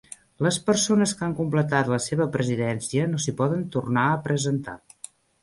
Les persones que han completat la seva presidència no s'hi poden tornar a presentar.